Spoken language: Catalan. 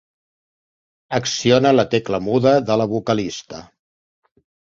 Acciona la tecla muda de la vocalista.